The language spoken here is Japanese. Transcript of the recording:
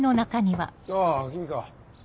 あぁ君か。